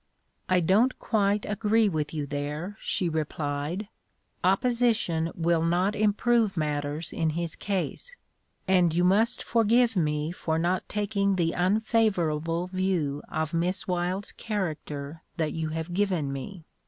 "I don't quite agree with you there," she replied; "opposition will not improve matters in his case, and you must forgive me for not taking the unfavourable view of Miss Wylde's character that you have given me.